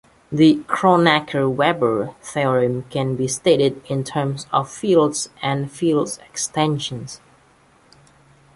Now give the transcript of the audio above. The Kronecker-Weber theorem can be stated in terms of fields and field extensions.